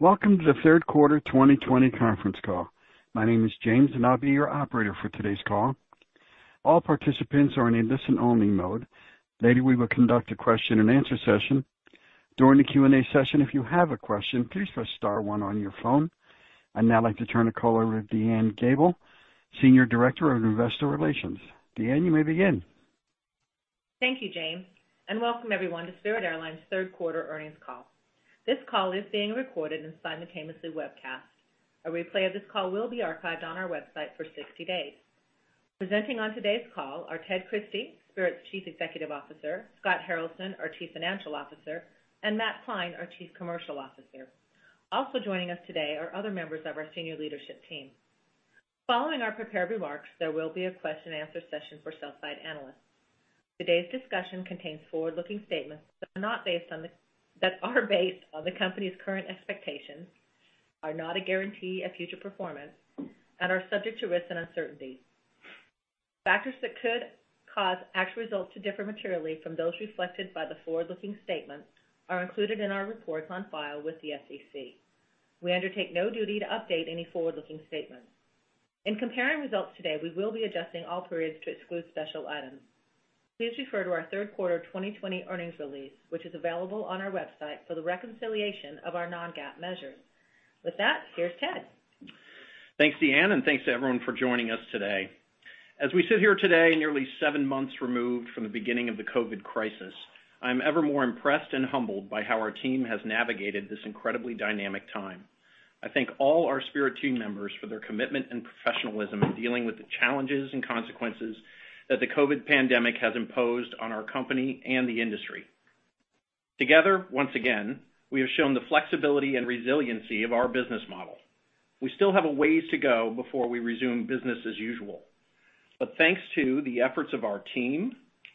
Welcome to the third quarter 2020 conference call. My name is James, and I'll be your operator for today's call. All participants are in a listen-only mode. Later, we will conduct a question-and-answer session. During the Q&A session, if you have a question, please press star one on your phone. I'd now like to turn the call over to DeAnne Gabel, Senior Director of Investor Relations. DeAnne, you may begin. Thank you, James, and welcome everyone to Spirit Airlines' third quarter earnings call. This call is being recorded and simultaneously webcast. A replay of this call will be archived on our website for 60 days. Presenting on today's call are Ted Christie, Spirit's Chief Executive Officer; Scott Harrelson, our Chief Financial Officer; and Matt Kline, our Chief Commercial Officer. Also joining us today are other members of our senior leadership team. Following our prepared remarks, there will be a question-and-answer session for sell-side analysts. Today's discussion contains forward-looking statements that are based on the company's current expectations, are not a guarantee of future performance, and are subject to risk and uncertainty. Factors that could cause actual results to differ materially from those reflected by the forward-looking statements are included in our reports on file with the SEC. We undertake no duty to update any forward-looking statements. In comparing results today, we will be adjusting all periods to exclude special items. Please refer to our third quarter 2020 earnings release, which is available on our website for the reconciliation of our non-GAAP measures. With that, here's Ted. Thanks, DeAnne, and thanks to everyone for joining us today. As we sit here today, nearly seven months removed from the beginning of the COVID crisis, I'm ever more impressed and humbled by how our team has navigated this incredibly dynamic time. I thank all our Spirit team members for their commitment and professionalism in dealing with the challenges and consequences that the COVID pandemic has imposed on our company and the industry. Together, once again, we have shown the flexibility and resiliency of our business model. We still have a ways to go before we resume business as usual. Thanks to the efforts of our team,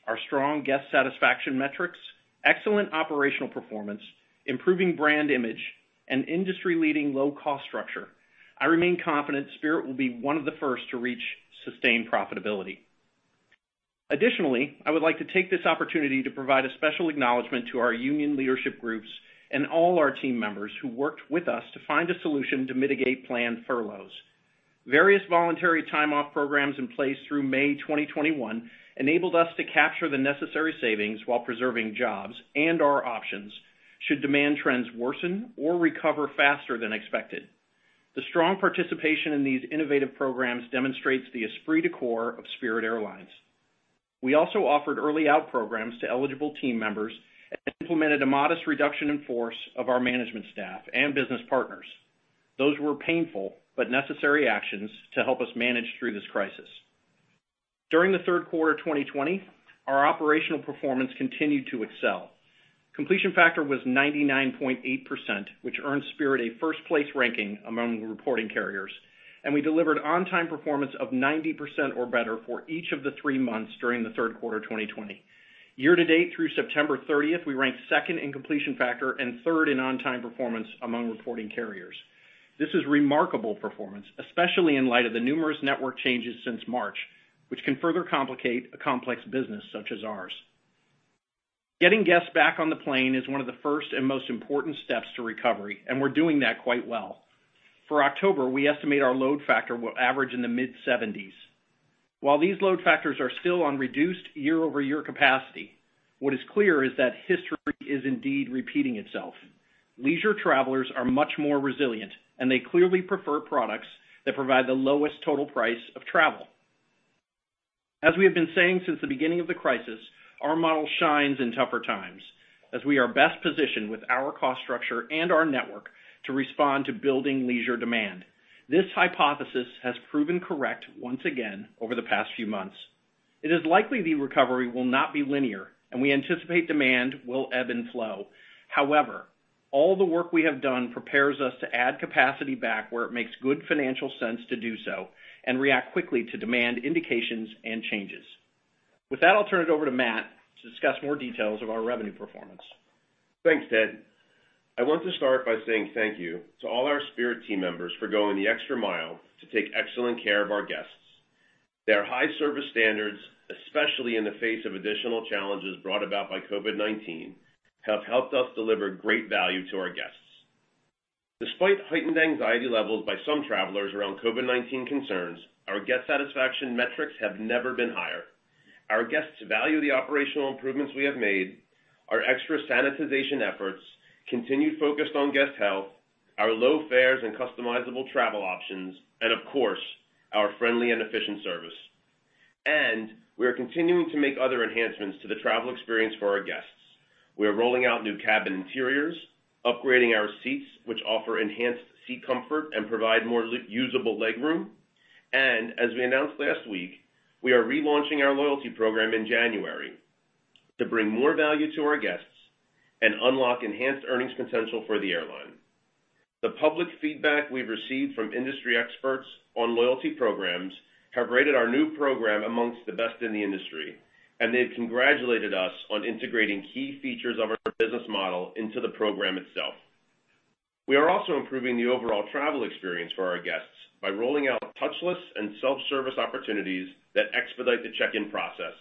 our strong guest satisfaction metrics, excellent operational performance, improving brand image, and industry-leading low-cost structure, I remain confident Spirit will be one of the first to reach sustained profitability. Additionally, I would like to take this opportunity to provide a special acknowledgment to our union leadership groups and all our team members who worked with us to find a solution to mitigate planned furloughs. Various voluntary time-off programs in place through May 2021 enabled us to capture the necessary savings while preserving jobs and our options should demand trends worsen or recover faster than expected. The strong participation in these innovative programs demonstrates the esprit de corps of Spirit Airlines. We also offered early-out programs to eligible team members and implemented a modest reduction in force of our management staff and business partners. Those were painful but necessary actions to help us manage through this crisis. During the third quarter 2020, our operational performance continued to excel. Completion factor was 99.8%, which earned Spirit a first-place ranking among reporting carriers, and we delivered on-time performance of 90% or better for each of the three months during the third quarter 2020. Year-to-date, through September 30, we ranked second in completion factor and third in on-time performance among reporting carriers. This is remarkable performance, especially in light of the numerous network changes since March, which can further complicate a complex business such as ours. Getting guests back on the plane is one of the first and most important steps to recovery, and we're doing that quite well. For October, we estimate our load factor will average in the mid-70s. While these load factors are still on reduced year-over-year capacity, what is clear is that history is indeed repeating itself. Leisure travelers are much more resilient, and they clearly prefer products that provide the lowest total price of travel. As we have been saying since the beginning of the crisis, our model shines in tougher times as we are best positioned with our cost structure and our network to respond to building leisure demand. This hypothesis has proven correct once again over the past few months. It is likely the recovery will not be linear, and we anticipate demand will ebb and flow. However, all the work we have done prepares us to add capacity back where it makes good financial sense to do so and react quickly to demand indications and changes. With that, I'll turn it over to Matt to discuss more details of our revenue performance. Thanks, Ted. I want to start by saying thank you to all our Spirit team members for going the extra mile to take excellent care of our guests. Their high service standards, especially in the face of additional challenges brought about by COVID-19, have helped us deliver great value to our guests. Despite heightened anxiety levels by some travelers around COVID-19 concerns, our guest satisfaction metrics have never been higher. Our guests value the operational improvements we have made, our extra sanitization efforts, continued focus on guest health, our low fares and customizable travel options, and, of course, our friendly and efficient service. We are continuing to make other enhancements to the travel experience for our guests. We are rolling out new cabin interiors, upgrading our seats, which offer enhanced seat comfort and provide more usable leg room. As we announced last week, we are relaunching our loyalty program in January to bring more value to our guests and unlock enhanced earnings potential for the airline. The public feedback we've received from industry experts on loyalty programs has rated our new program amongst the best in the industry, and they've congratulated us on integrating key features of our business model into the program itself. We are also improving the overall travel experience for our guests by rolling out touchless and self-service opportunities that expedite the check-in process.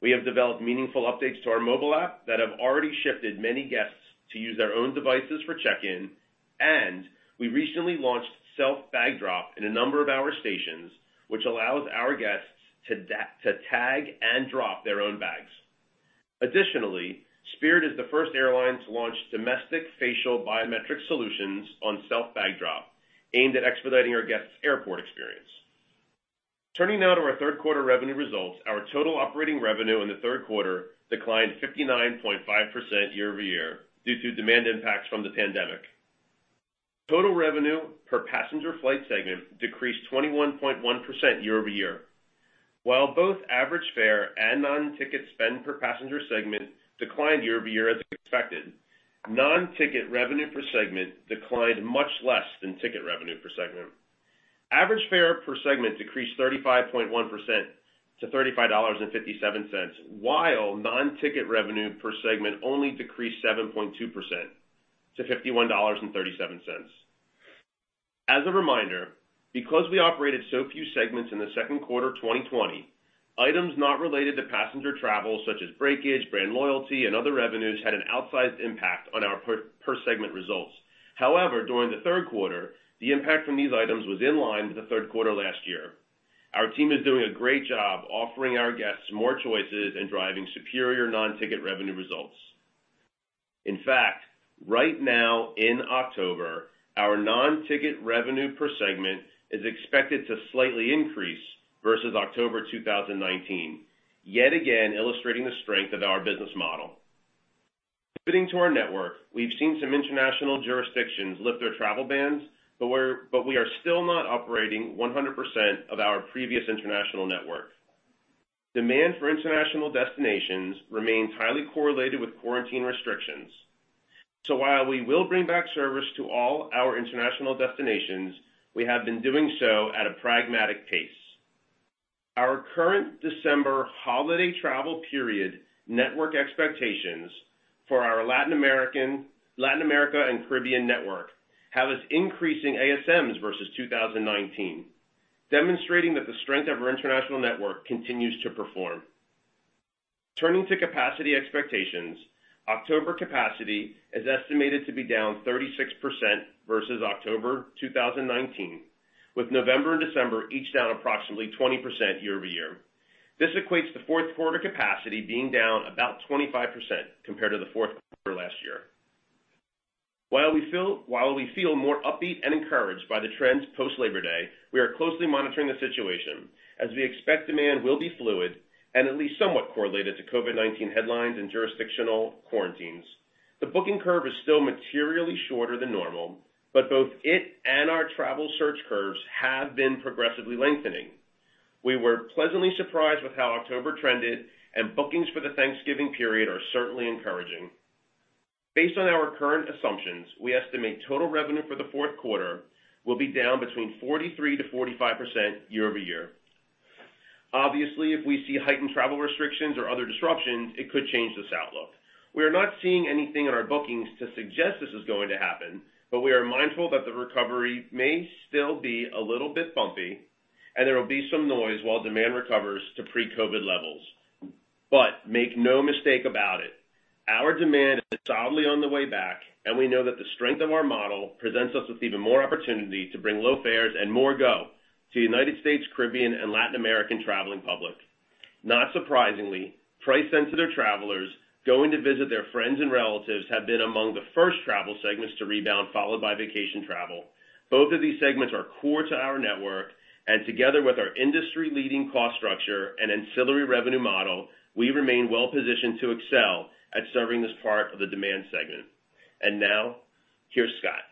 We have developed meaningful updates to our mobile app that have already shifted many guests to use their own devices for check-in, and we recently launched self-bag drop in a number of our stations, which allows our guests to tag and drop their own bags. Additionally, Spirit is the first airline to launch domestic facial biometric solutions on self-bag drop aimed at expediting our guests' airport experience. Turning now to our third quarter revenue results, our total operating revenue in the third quarter declined 59.5% year-over-year due to demand impacts from the pandemic. Total revenue per passenger flight segment decreased 21.1% year-over-year. While both average fare and non-ticket spend per passenger segment declined year-over-year as expected, non-ticket revenue per segment declined much less than ticket revenue per segment. Average fare per segment decreased 35.1% to $35.57, while non-ticket revenue per segment only decreased 7.2% to $51.37. As a reminder, because we operated so few segments in the second quarter 2020, items not related to passenger travel such as breakage, brand loyalty, and other revenues had an outsized impact on our per-segment results. However, during the third quarter, the impact from these items was in line with the third quarter last year. Our team is doing a great job offering our guests more choices and driving superior non-ticket revenue results. In fact, right now in October, our non-ticket revenue per segment is expected to slightly increase versus October 2019, yet again illustrating the strength of our business model. Pivoting to our network, we have seen some international jurisdictions lift their travel bans, but we are still not operating 100% of our previous international network. Demand for international destinations remains highly correlated with quarantine restrictions. While we will bring back service to all our international destinations, we have been doing so at a pragmatic pace. Our current December holiday travel period network expectations for our Latin America and Caribbean network have us increasing ASMs versus 2019, demonstrating that the strength of our international network continues to perform. Turning to capacity expectations, October capacity is estimated to be down 36% versus October 2019, with November and December each down approximately 20% year-over-year. This equates the fourth quarter capacity being down about 25% compared to the fourth quarter last year. While we feel more upbeat and encouraged by the trends post-Labor Day, we are closely monitoring the situation as we expect demand will be fluid and at least somewhat correlated to COVID-19 headlines and jurisdictional quarantines. The booking curve is still materially shorter than normal, but both it and our travel search curves have been progressively lengthening. We were pleasantly surprised with how October trended, and bookings for the Thanksgiving period are certainly encouraging. Based on our current assumptions, we estimate total revenue for the fourth quarter will be down between 43%-45% year-over-year. Obviously, if we see heightened travel restrictions or other disruptions, it could change this outlook. We are not seeing anything in our bookings to suggest this is going to happen, but we are mindful that the recovery may still be a little bit bumpy, and there will be some noise while demand recovers to pre-COVID levels. Make no mistake about it, our demand is solidly on the way back, and we know that the strength of our model presents us with even more opportunity to bring low fares and more go to the United States, Caribbean, and Latin American traveling public. Not surprisingly, price-sensitive travelers going to visit their friends and relatives have been among the first travel segments to rebound, followed by vacation travel. Both of these segments are core to our network, and together with our industry-leading cost structure and ancillary revenue model, we remain well-positioned to excel at serving this part of the demand segment. Here is Scott.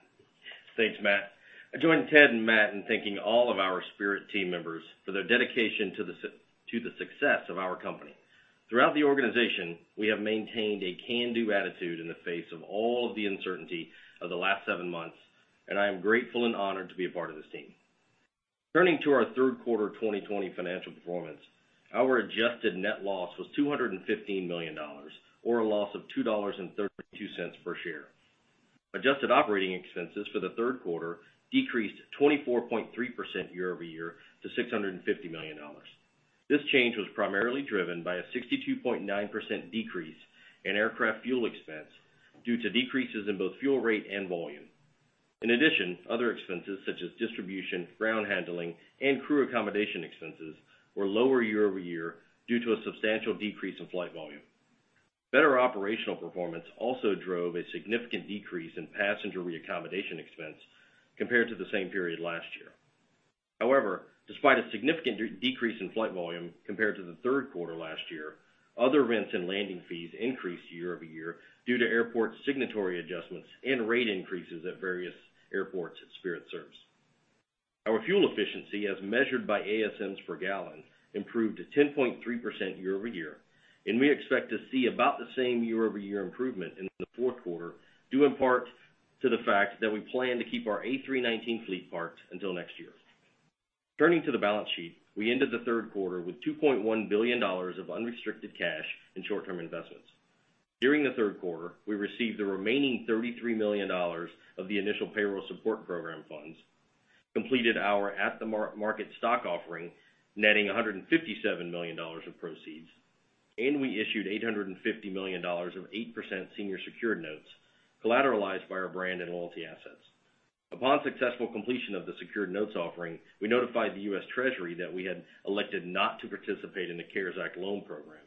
Thanks, Matt. I join Ted and Matt in thanking all of our Spirit team members for their dedication to the success of our company. Throughout the organization, we have maintained a can-do attitude in the face of all of the uncertainty of the last seven months, and I am grateful and honored to be a part of this team. Turning to our third quarter 2020 financial performance, our adjusted net loss was $215 million, or a loss of $2.32 per share. Adjusted operating expenses for the third quarter decreased 24.3% year-over-year to $650 million. This change was primarily driven by a 62.9% decrease in aircraft fuel expense due to decreases in both fuel rate and volume. In addition, other expenses such as distribution, ground handling, and crew accommodation expenses were lower year-over-year due to a substantial decrease in flight volume. Better operational performance also drove a significant decrease in passenger reaccommodation expense compared to the same period last year. However, despite a significant decrease in flight volume compared to the third quarter last year, other events and landing fees increased year-over-year due to airport signatory adjustments and rate increases at various airports that Spirit serves. Our fuel efficiency, as measured by ASMs per gallon, improved to 10.3% year-over-year, and we expect to see about the same year-over-year improvement in the fourth quarter due in part to the fact that we plan to keep our A319 fleet parked until next year. Turning to the balance sheet, we ended the third quarter with $2.1 billion of unrestricted cash and short-term investments. During the third quarter, we received the remaining $33 million of the initial payroll support program funds, completed our at-the-market stock offering, netting $157 million of proceeds, and we issued $850 million of 8% senior secured notes collateralized by our brand and loyalty assets. Upon successful completion of the secured notes offering, we notified the U.S. Treasury that we had elected not to participate in the CARES Act loan program.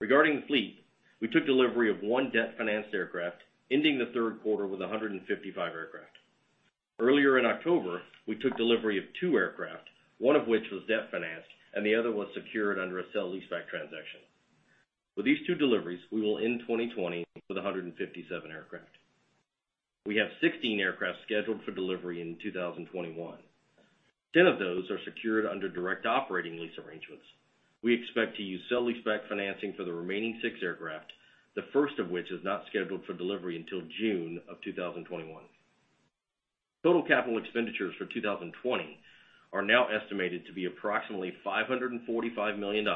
Regarding the fleet, we took delivery of one debt-financed aircraft, ending the third quarter with 155 aircraft. Earlier in October, we took delivery of two aircraft, one of which was debt-financed and the other was secured under a sale lease-back transaction. With these two deliveries, we will end 2020 with 157 aircraft. We have 16 aircraft scheduled for delivery in 2021. Ten of those are secured under direct operating lease arrangements. We expect to use sale lease-back financing for the remaining six aircraft, the first of which is not scheduled for delivery until June of 2021. Total capital expenditures for 2020 are now estimated to be approximately $545 million,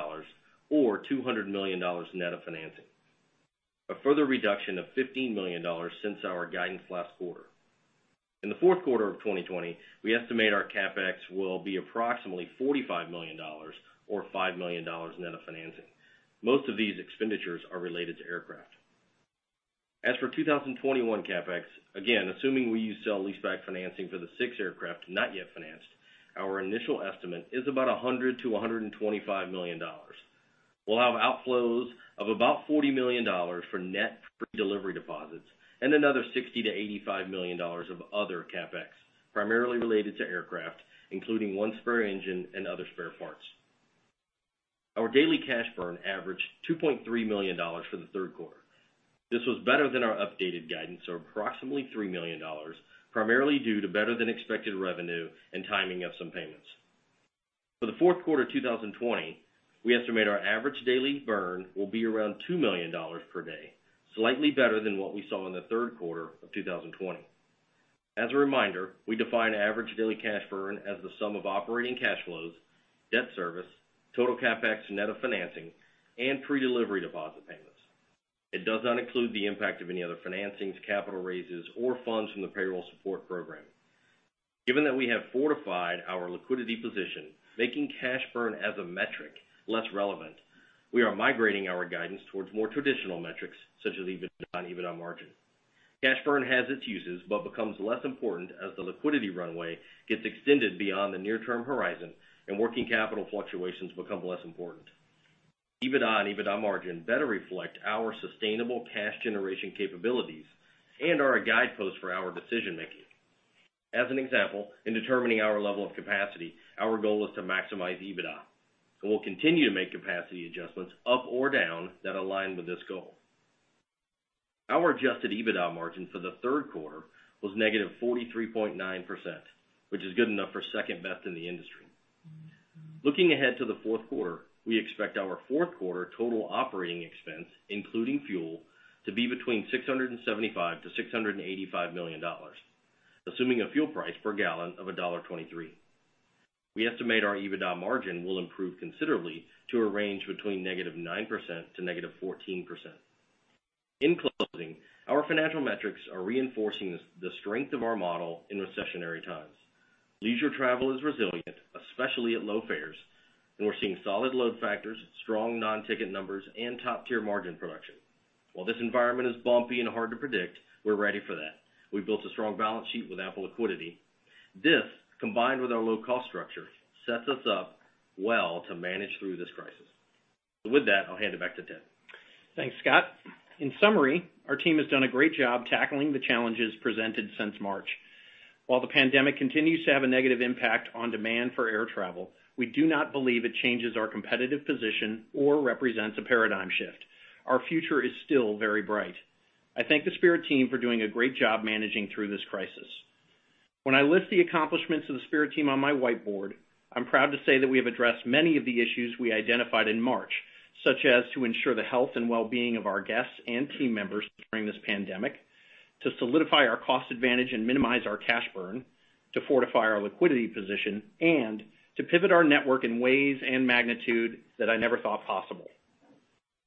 or $200 million net of financing, a further reduction of $15 million since our guidance last quarter. In the fourth quarter of 2020, we estimate our CapEx will be approximately $45 million, or $5 million net of financing. Most of these expenditures are related to aircraft. As for 2021 CapEx, again, assuming we use sale lease-back financing for the six aircraft not yet financed, our initial estimate is about $100-$125 million. We'll have outflows of about $40 million for net pre-delivery deposits and another $60-$85 million of other CapEx, primarily related to aircraft, including one spare engine and other spare parts. Our daily cash burn averaged $2.3 million for the third quarter. This was better than our updated guidance of approximately $3 million, primarily due to better-than-expected revenue and timing of some payments. For the fourth quarter 2020, we estimate our average daily burn will be around $2 million per day, slightly better than what we saw in the third quarter of 2020. As a reminder, we define average daily cash burn as the sum of operating cash flows, debt service, total CapEx net of financing, and pre-delivery deposit payments. It does not include the impact of any other financings, capital raises, or funds from the payroll support program. Given that we have fortified our liquidity position, making cash burn as a metric less relevant, we are migrating our guidance towards more traditional metrics such as EBITDA and EBITDA margin. Cash burn has its uses but becomes less important as the liquidity runway gets extended beyond the near-term horizon and working capital fluctuations become less important. EBITDA and EBITDA margin better reflect our sustainable cash generation capabilities and are a guidepost for our decision-making. As an example, in determining our level of capacity, our goal is to maximize EBITDA, and we'll continue to make capacity adjustments up or down that align with this goal. Our adjusted EBITDA margin for the third quarter was negative 43.9%, which is good enough for second-best in the industry. Looking ahead to the fourth quarter, we expect our fourth quarter total operating expense, including fuel, to be between $675 million-$685 million, assuming a fuel price per gallon of $1.23. We estimate our EBITDA margin will improve considerably to a range between negative 9% to negative 14%. In closing, our financial metrics are reinforcing the strength of our model in recessionary times. Leisure travel is resilient, especially at low fares, and we're seeing solid load factors, strong non-ticket numbers, and top-tier margin production. While this environment is bumpy and hard to predict, we're ready for that. We built a strong balance sheet with ample liquidity. This, combined with our low-cost structure, sets us up well to manage through this crisis. With that, I'll hand it back to Ted. Thanks, Scott. In summary, our team has done a great job tackling the challenges presented since March. While the pandemic continues to have a negative impact on demand for air travel, we do not believe it changes our competitive position or represents a paradigm shift. Our future is still very bright. I thank the Spirit team for doing a great job managing through this crisis. When I list the accomplishments of the Spirit team on my whiteboard, I'm proud to say that we have addressed many of the issues we identified in March, such as to ensure the health and well-being of our guests and team members during this pandemic, to solidify our cost advantage and minimize our cash burn, to fortify our liquidity position, and to pivot our network in ways and magnitude that I never thought possible.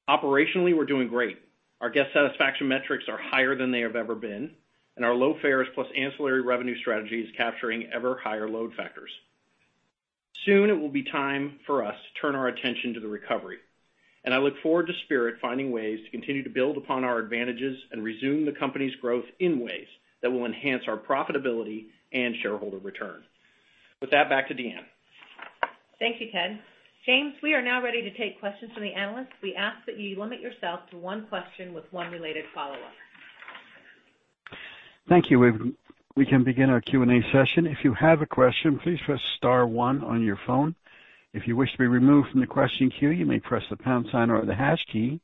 Operationally, we're doing great. Our guest satisfaction metrics are higher than they have ever been, and our low fares plus ancillary revenue strategy is capturing ever-higher load factors. Soon, it will be time for us to turn our attention to the recovery, and I look forward to Spirit finding ways to continue to build upon our advantages and resume the company's growth in ways that will enhance our profitability and shareholder return. With that, back to Deanne. Thank you, Ted. James, we are now ready to take questions from the analysts. We ask that you limit yourself to one question with one related follow-up. Thank you. We can begin our Q&A session. If you have a question, please press star one on your phone. If you wish to be removed from the question queue, you may press the pound sign or the hash key.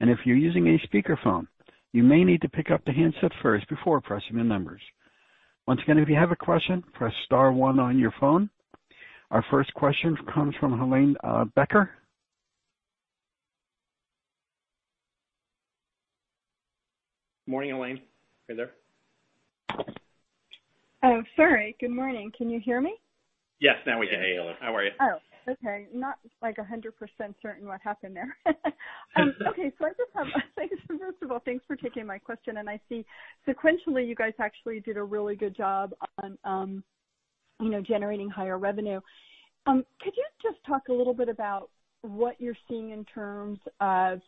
If you're using a speakerphone, you may need to pick up the handset first before pressing the numbers. Once again, if you have a question, press star one on your phone. Our first question comes from Helane Becker. Morning, Helane. Are you there? Sorry. Good morning. Can you hear me? Yes, now we can. Hey, Helene. How are you? Oh, okay. Not like 100% certain what happened there. Okay. I just have a—first of all, thanks for taking my question. I see sequentially, you guys actually did a really good job on generating higher revenue. Could you just talk a little bit about what you're seeing in terms of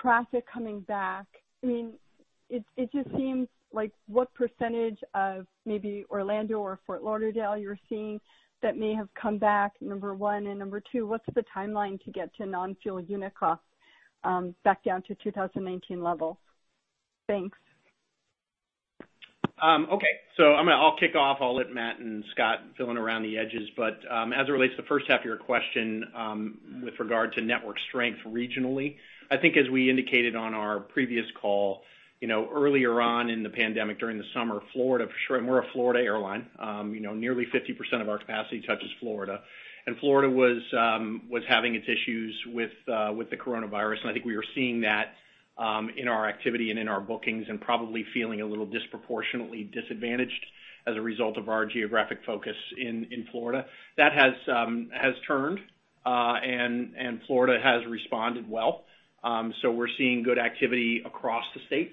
traffic coming back? I mean, it just seems like what percentage of maybe Orlando or Fort Lauderdale you're seeing that may have come back, number one and number two? What's the timeline to get to non-fuel unit cost back down to 2019 levels? Thanks. Okay. I'll kick off. I'll let Matt and Scott fill in around the edges. As it relates to the first half of your question with regard to network strength regionally, I think as we indicated on our previous call earlier on in the pandemic during the summer, Florida—we're a Florida airline. Nearly 50% of our capacity touches Florida. Florida was having its issues with the coronavirus, and I think we were seeing that in our activity and in our bookings and probably feeling a little disproportionately disadvantaged as a result of our geographic focus in Florida. That has turned, and Florida has responded well. We're seeing good activity across the state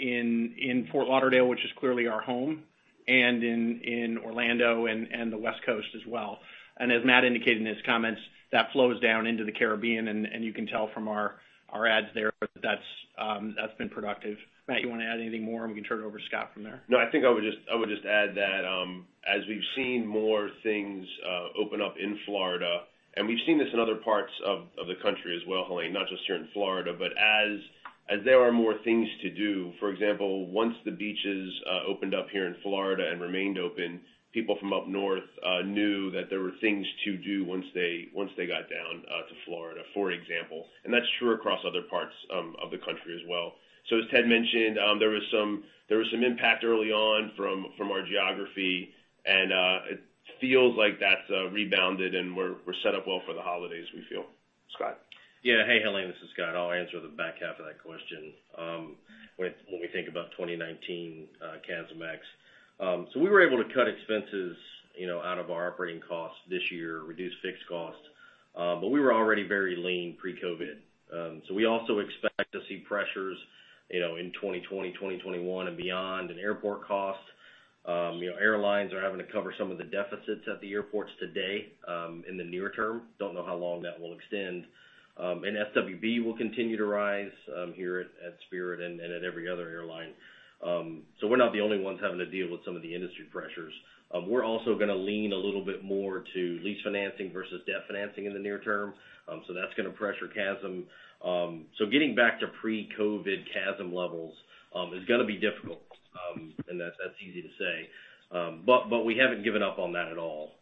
in Fort Lauderdale, which is clearly our home, and in Orlando and the West Coast as well. As Matt indicated in his comments, that flows down into the Caribbean, and you can tell from our ads there that that's been productive. Matt, you want to add anything more, and we can turn it over to Scott from there. No, I think I would just add that as we've seen more things open up in Florida, and we've seen this in other parts of the country as well, Helane, not just here in Florida, but as there are more things to do, for example, once the beaches opened up here in Florida and remained open, people from up north knew that there were things to do once they got down to Florida, for example. That is true across other parts of the country as well. As Ted mentioned, there was some impact early on from our geography, and it feels like that's rebounded, and we're set up well for the holidays, we feel. Scott. Yeah. Hey, Helane. This is Scott. I'll answer the back half of that question when we think about 2019 CASM X. We were able to cut expenses out of our operating costs this year, reduce fixed costs, but we were already very lean pre-COVID. We also expect to see pressures in 2020, 2021, and beyond in airport costs. Airlines are having to cover some of the deficits at the airports today in the near term. I don't know how long that will extend. FWB will continue to rise here at Spirit and at every other airline. We're not the only ones having to deal with some of the industry pressures. We're also going to lean a little bit more to lease financing versus debt financing in the near term. That's going to pressure CASM. Getting back to pre-COVID CASM levels is going to be difficult, and that's easy to say. We haven't given up on that at all.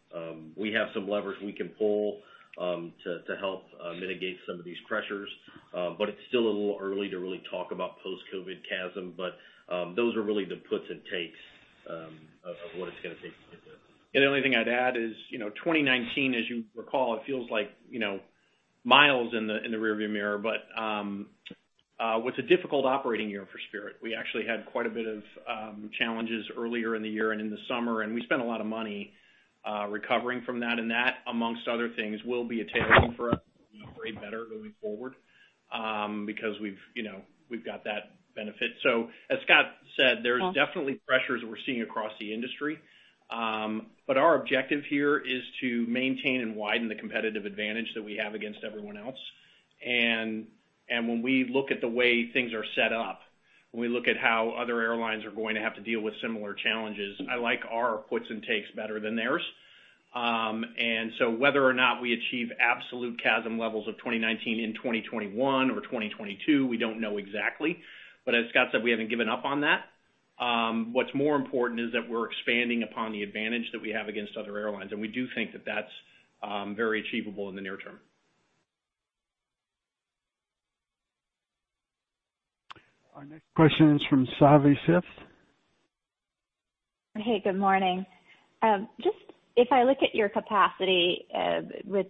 We have some levers we can pull to help mitigate some of these pressures, but it's still a little early to really talk about post-COVID CASM. Those are really the puts and takes of what it's going to take to get there. The only thing I'd add is 2019, as you recall, it feels like miles in the rearview mirror. It was a difficult operating year for Spirit. We actually had quite a bit of challenges earlier in the year and in the summer, and we spent a lot of money recovering from that. That, amongst other things, will be a tailwind for us to operate better going forward because we've got that benefit. As Scott said, there's definitely pressures we're seeing across the industry. Our objective here is to maintain and widen the competitive advantage that we have against everyone else. When we look at the way things are set up, when we look at how other airlines are going to have to deal with similar challenges, I like our puts and takes better than theirs. Whether or not we achieve absolute CASM levels of 2019 in 2021 or 2022, we do not know exactly. As Scott said, we have not given up on that. What is more important is that we are expanding upon the advantage that we have against other airlines, and we do think that is very achievable in the near term. Our next question is from Savanthi Syth. Hey, good morning. Just if I look at your capacity, with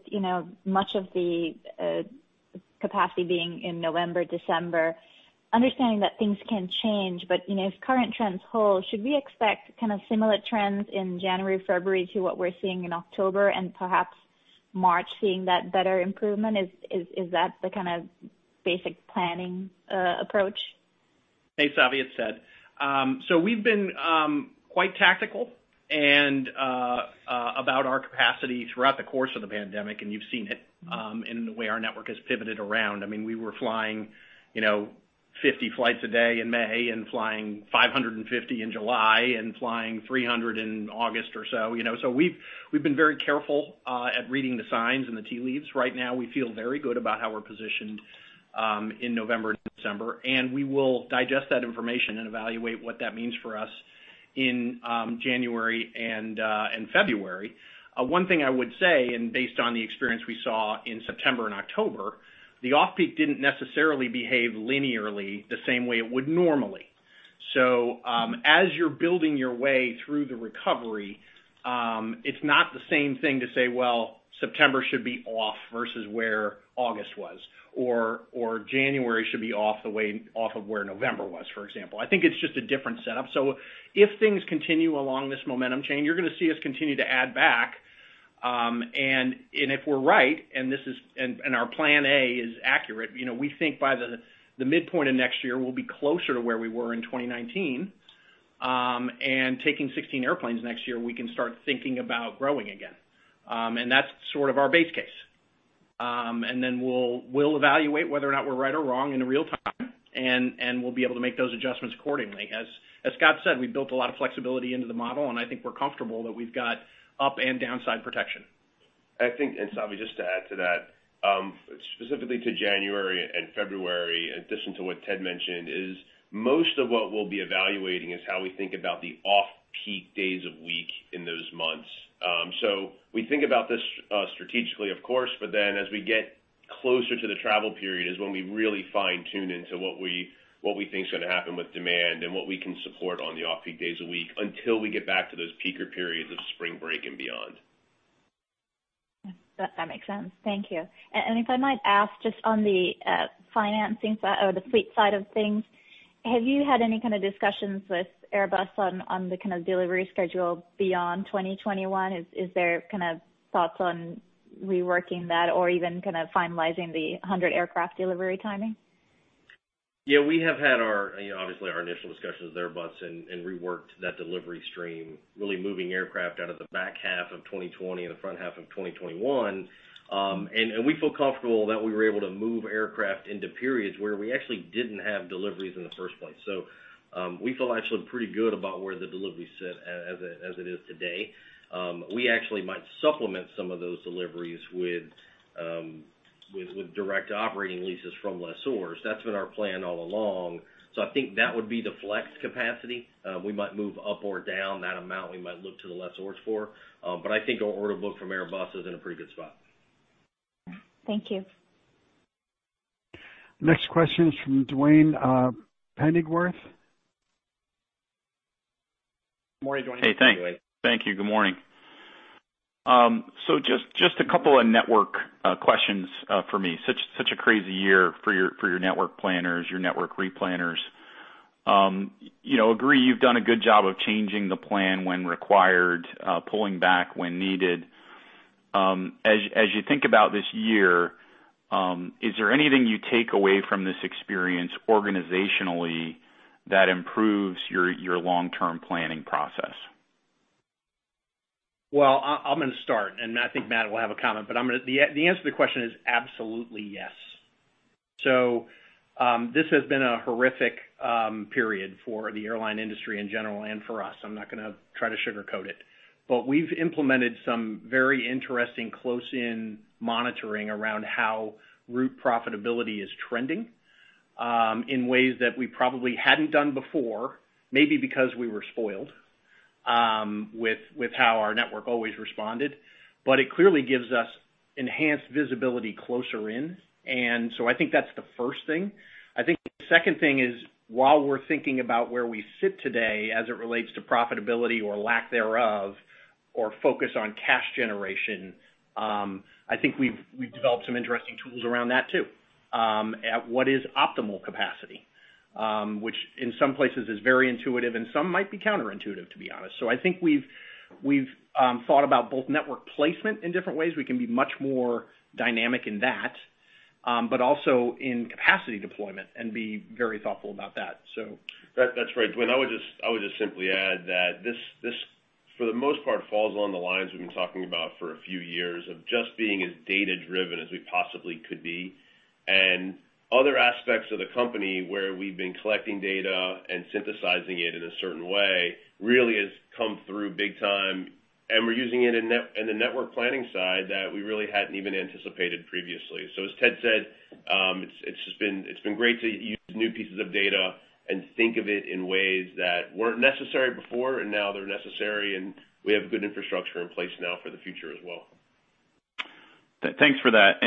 much of the capacity being in November, December, understanding that things can change, but if current trends hold, should we expect kind of similar trends in January, February to what we're seeing in October and perhaps March seeing that better improvement? Is that the kind of basic planning approach? Hey, Savanthi at Raymond James. We have been quite tactical about our capacity throughout the course of the pandemic, and you have seen it in the way our network has pivoted around. I mean, we were flying 50 flights a day in May and flying 550 in July and flying 300 in August or so. We have been very careful at reading the signs and the tea leaves. Right now, we feel very good about how we are positioned in November and December, and we will digest that information and evaluate what that means for us in January and February. One thing I would say, and based on the experience we saw in September and October, the off-peak did not necessarily behave linearly the same way it would normally. As you're building your way through the recovery, it's not the same thing to say, "September should be off versus where August was," or, "January should be off of where November was," for example. I think it's just a different setup. If things continue along this momentum chain, you're going to see us continue to add back. If we're right, and our plan A is accurate, we think by the midpoint of next year, we'll be closer to where we were in 2019. Taking 16 airplanes next year, we can start thinking about growing again. That's sort of our base case. Then we'll evaluate whether or not we're right or wrong in real time, and we'll be able to make those adjustments accordingly. As Scott said, we built a lot of flexibility into the model, and I think we're comfortable that we've got up and downside protection. I think, and Savanthi, just to add to that, specifically to January and February, in addition to what Ted mentioned, is most of what we'll be evaluating is how we think about the off-peak days of week in those months. We think about this strategically, of course, but then as we get closer to the travel period is when we really fine-tune into what we think is going to happen with demand and what we can support on the off-peak days of week until we get back to those peaker periods of spring break and beyond. That makes sense. Thank you. If I might ask, just on the financing side or the fleet side of things, have you had any kind of discussions with Airbus on the kind of delivery schedule beyond 2021? Is there kind of thoughts on reworking that or even kind of finalizing the 100 aircraft delivery timing? Yeah. We have had, obviously, our initial discussions with Airbus and reworked that delivery stream, really moving aircraft out of the back half of 2020 and the front half of 2021. We feel comfortable that we were able to move aircraft into periods where we actually did not have deliveries in the first place. We feel actually pretty good about where the deliveries sit as it is today. We actually might supplement some of those deliveries with direct operating leases from lessors. That has been our plan all along. I think that would be the flex capacity. We might move up or down that amount. We might look to the lessors for that. I think our order book from Airbus is in a pretty good spot. Thank you. Next question is from Duane Pfennigwerth. Good morning, Duane. Hey, thanks. Thank you. Good morning. Just a couple of network questions for me. Such a crazy year for your network planners, your network replanners. Agree you've done a good job of changing the plan when required, pulling back when needed. As you think about this year, is there anything you take away from this experience organizationally that improves your long-term planning process? I'm going to start, and I think Matt will have a comment, but the answer to the question is absolutely yes. This has been a horrific period for the airline industry in general and for us. I'm not going to try to sugarcoat it. We've implemented some very interesting close-in monitoring around how route profitability is trending in ways that we probably hadn't done before, maybe because we were spoiled with how our network always responded. It clearly gives us enhanced visibility closer in. I think that's the first thing. The second thing is, while we're thinking about where we sit today as it relates to profitability or lack thereof or focus on cash generation, I think we've developed some interesting tools around that too. At what is optimal capacity, which in some places is very intuitive and some might be counterintuitive, to be honest. I think we've thought about both network placement in different ways. We can be much more dynamic in that, but also in capacity deployment and be very thoughtful about that. That's right. Duane, I would just simply add that this, for the most part, falls on the lines we've been talking about for a few years of just being as data-driven as we possibly could be. Other aspects of the company where we've been collecting data and synthesizing it in a certain way really has come through big time. We're using it in the network planning side that we really hadn't even anticipated previously. As Ted said, it's been great to use new pieces of data and think of it in ways that weren't necessary before, and now they're necessary. We have good infrastructure in place now for the future as well. Thanks for that.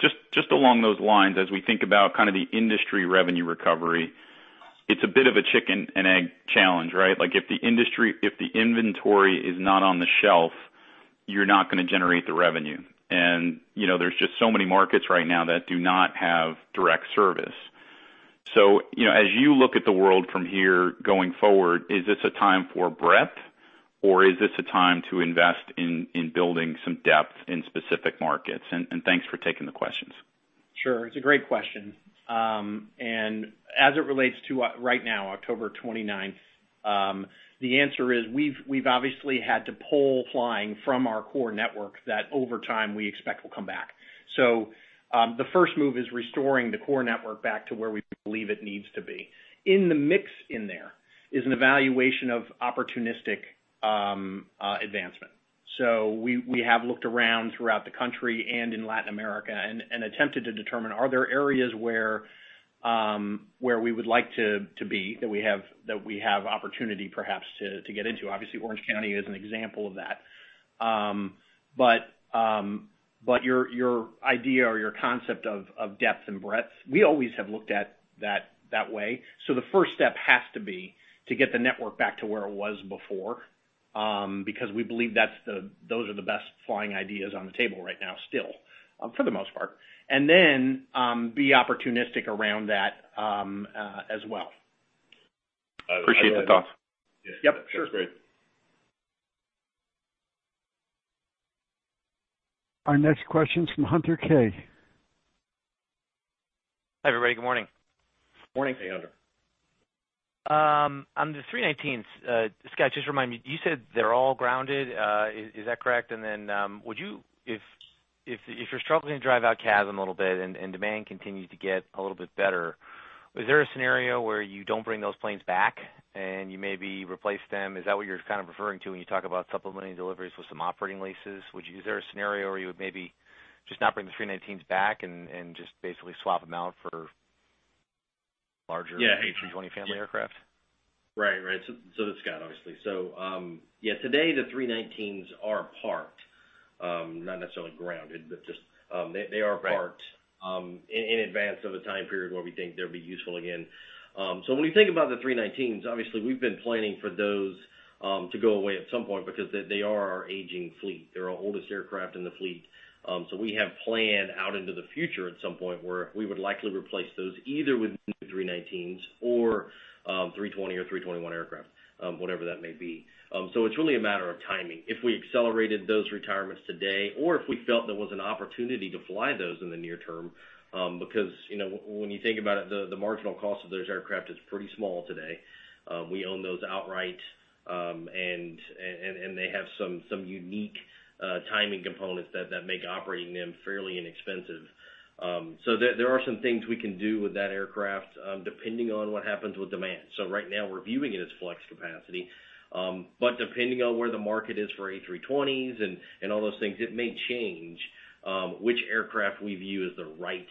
Just along those lines, as we think about kind of the industry revenue recovery, it's a bit of a chicken-and-egg challenge, right? If the inventory is not on the shelf, you're not going to generate the revenue. There are just so many markets right now that do not have direct service. As you look at the world from here going forward, is this a time for breadth, or is this a time to invest in building some depth in specific markets? Thanks for taking the questions. Sure. It's a great question. As it relates to right now, October 29th, the answer is we've obviously had to pull flying from our core network that over time we expect will come back. The first move is restoring the core network back to where we believe it needs to be. In the mix in there is an evaluation of opportunistic advancement. We have looked around throughout the country and in Latin America and attempted to determine, are there areas where we would like to be that we have opportunity perhaps to get into? Obviously, Orange County is an example of that. Your idea or your concept of depth and breadth, we always have looked at that way. The first step has to be to get the network back to where it was before because we believe those are the best flying ideas on the table right now still, for the most part. And then be opportunistic around that as well. Appreciate the thoughts. Yep. Sure. That's great. Our next question is from Hunter Keay. Hi everybody. Good morning. Morning. Hey, Hunter. On the 319th, Scott, just remind me, you said they're all grounded. Is that correct? If you're struggling to drive out CASM a little bit and demand continues to get a little bit better, is there a scenario where you don't bring those planes back and you maybe replace them? Is that what you're kind of referring to when you talk about supplementing deliveries with some operating leases? Is there a scenario where you would maybe just not bring the 319s back and just basically swap them out for larger 320 family aircraft? Right. Right. That's Scott, obviously. Today the 319s are parked, not necessarily grounded, but just they are parked in advance of a time period where we think they'll be useful again. When we think about the 319s, obviously, we've been planning for those to go away at some point because they are our aging fleet. They're our oldest aircraft in the fleet. We have planned out into the future at some point where we would likely replace those either with new 319s or 320 or 321 aircraft, whatever that may be. It's really a matter of timing. If we accelerated those retirements today or if we felt there was an opportunity to fly those in the near term, because when you think about it, the marginal cost of those aircraft is pretty small today. We own those outright, and they have some unique timing components that make operating them fairly inexpensive. There are some things we can do with that aircraft depending on what happens with demand. Right now, we're viewing it as flex capacity. Depending on where the market is for A320s and all those things, it may change which aircraft we view as the right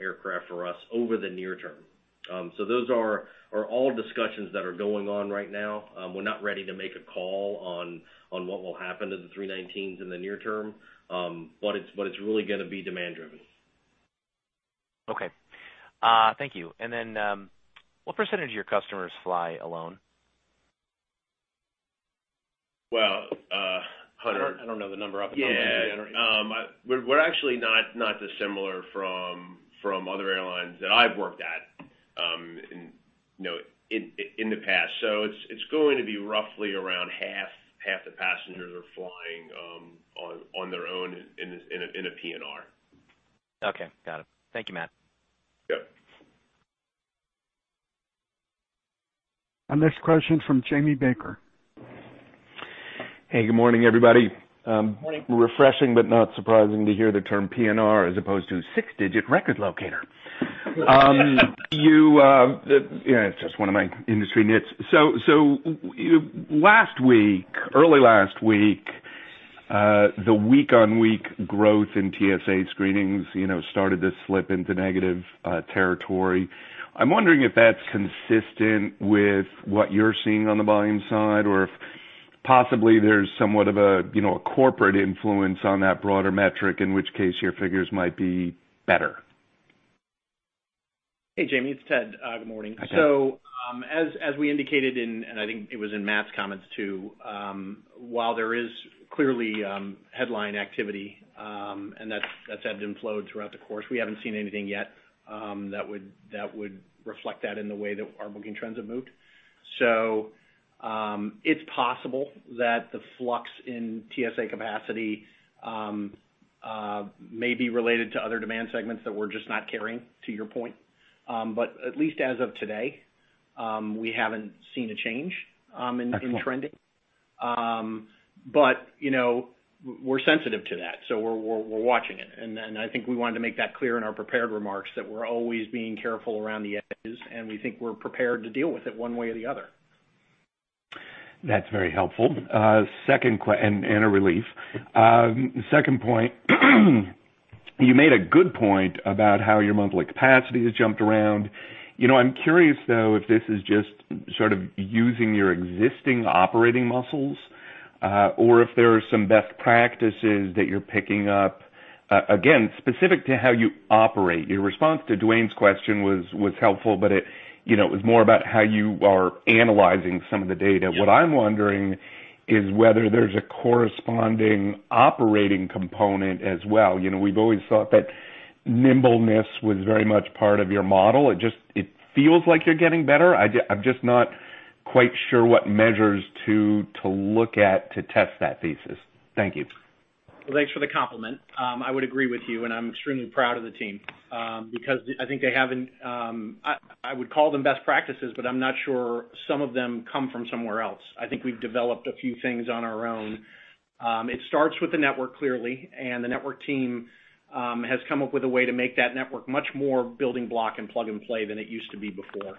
aircraft for us over the near term. Those are all discussions that are going on right now. We're not ready to make a call on what will happen to the 319s in the near term, but it's really going to be demand-driven. Okay. Thank you. What percentage of your customers fly alone? Well, Hunter. I don't know the number off the top of my head. Yeah. We're actually not dissimilar from other airlines that I've worked at in the past. It is going to be roughly around half the passengers are flying on their own in a PNR. Okay. Got it. Thank you, Matt. Yep. Our next question is from Jamie Baker. Hey, good morning, everybody. Good morning. Refreshing, but not surprising to hear the term PNR as opposed to six-digit record locator. Yeah, it's just one of my industry nits. Last week, early last week, the week-on-week growth in TSA screenings started to slip into negative territory. I'm wondering if that's consistent with what you're seeing on the volume side or if possibly there's somewhat of a corporate influence on that broader metric, in which case your figures might be better. Hey, Jamie. It's Ted. Good morning. As we indicated, and I think it was in Matt's comments too, while there is clearly headline activity, and that's ebbed and flowed throughout the course, we haven't seen anything yet that would reflect that in the way that our booking trends have moved. It's possible that the flux in TSA capacity may be related to other demand segments that we're just not carrying, to your point. At least as of today, we haven't seen a change in trending. We're sensitive to that, so we're watching it. I think we wanted to make that clear in our prepared remarks that we're always being careful around the edges, and we think we're prepared to deal with it one way or the other. That's very helpful. A relief. Second point, you made a good point about how your monthly capacity has jumped around. I'm curious, though, if this is just sort of using your existing operating muscles or if there are some best practices that you're picking up, again, specific to how you operate. Your response to Duane's question was helpful, but it was more about how you are analyzing some of the data. What I'm wondering is whether there's a corresponding operating component as well. We've always thought that nimbleness was very much part of your model. It feels like you're getting better. I'm just not quite sure what measures to look at to test that thesis. Thank you. Thank you for the compliment. I would agree with you, and I'm extremely proud of the team because I think they have—I would call them best practices, but I'm not sure some of them come from somewhere else. I think we've developed a few things on our own. It starts with the network clearly, and the network team has come up with a way to make that network much more building block and plug-and-play than it used to be before.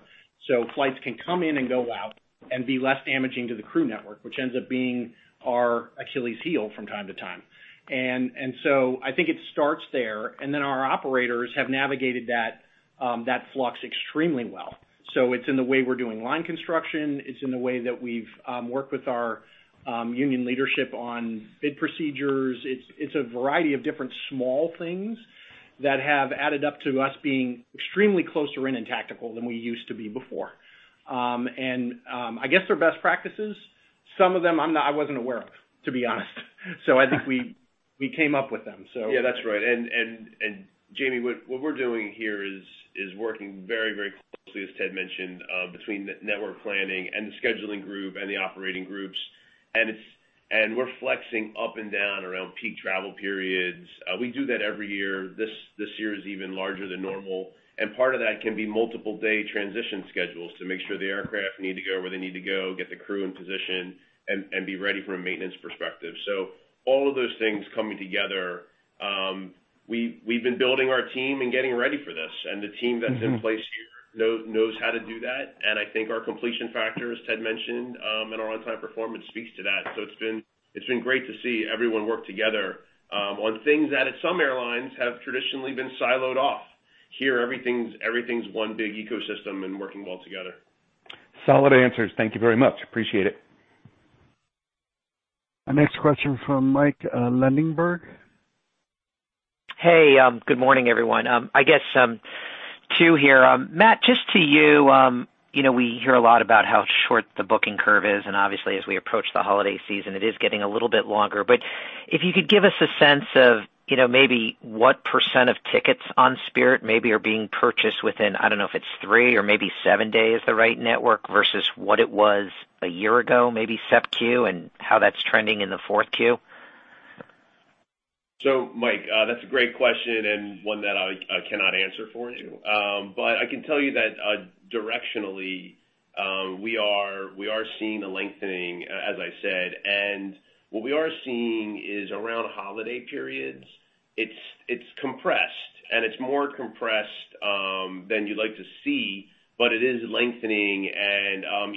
Flights can come in and go out and be less damaging to the crew network, which ends up being our Achilles heel from time to time. I think it starts there. Then our operators have navigated that flux extremely well. It is in the way we're doing line construction. It is in the way that we've worked with our union leadership on bid procedures. It's a variety of different small things that have added up to us being extremely closer in and tactical than we used to be before. I guess they're best practices. Some of them, I wasn't aware of, to be honest. I think we came up with them, so. Yeah, that's right. Jamie, what we're doing here is working very, very closely, as Ted mentioned, between network planning and the scheduling group and the operating groups. We're flexing up and down around peak travel periods. We do that every year. This year is even larger than normal. Part of that can be multiple-day transition schedules to make sure the aircraft need to go where they need to go, get the crew in position, and be ready from a maintenance perspective. All of those things coming together, we've been building our team and getting ready for this. The team that's in place here knows how to do that. I think our completion factor, as Ted mentioned, and our on-time performance speaks to that. It's been great to see everyone work together on things that at some airlines have traditionally been siloed off. Here, everything's one big ecosystem and working well together. Solid answers. Thank you very much. Appreciate it. Our next question is from Mike Linenberg. Hey, good morning, everyone. I guess two here. Matt, just to you, we hear a lot about how short the booking curve is. Obviously, as we approach the holiday season, it is getting a little bit longer. If you could give us a sense of maybe what % of tickets on Spirit maybe are being purchased within—I don't know if it's three or maybe seven days the right network versus what it was a year ago, maybe sepQ, and how that's trending in the fourth Q. Mike, that's a great question and one that I cannot answer for you. I can tell you that directionally, we are seeing a lengthening, as I said. What we are seeing is around holiday periods, it's compressed. It's more compressed than you'd like to see, but it is lengthening.